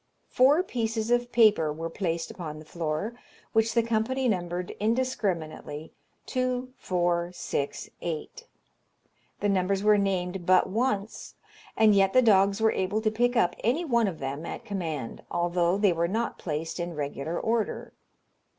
Four pieces of paper were placed upon the floor, which the company numbered indiscriminately, 2, 4, 6, 8. The numbers were named but once, and yet the dogs were able to pick up any one of them at command, although they were not placed in regular order.